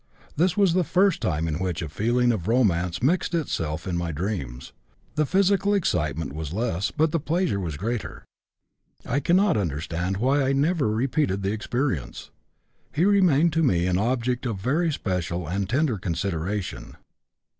This was the first time in which a feeling of romance mixed itself in my dreams; the physical excitement was less, but the pleasure was greater. I cannot understand why I never repeated the experience. He remained to me an object of very special and tender consideration.